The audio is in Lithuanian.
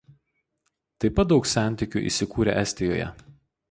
Taip pat daug sentikių įsikūrė Estijoje.